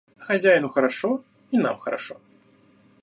Хозяину хорошо, и нам хорошо.